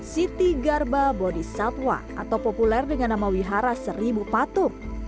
siti garba bodi satwa atau populer dengan nama wihara seribu patung